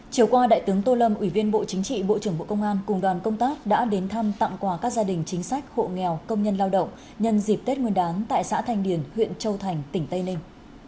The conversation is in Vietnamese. chiều qua đại tướng tô lâm ủy viên bộ chính trị bộ trưởng bộ công an cùng đoàn công tác đã đến thăm tặng quà các gia đình chính sách hộ nghèo công nhân lao động nhân dịp tết nguyên đáng tại xã thành điển huyện châu thành tỉnh tây ninh